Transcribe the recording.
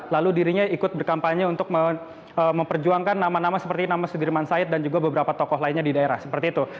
lalu dirinya ikut berkampanye untuk memperjuangkan nama nama seperti nama sudirman said dan juga beberapa tokoh lainnya di daerah seperti itu